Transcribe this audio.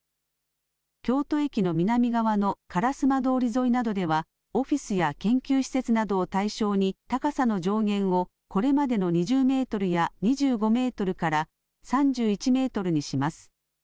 京都駅の南側の烏丸通沿いなどではオフィスや研究施設などを対象に高さの上限をこれまでの２０メートルや２５メートルから３１メートルにします。